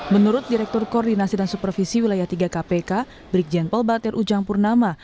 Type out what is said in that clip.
menurut direktur koordinasi dan supervisi wilayah tiga kpk brigjen paul bater ujang purnama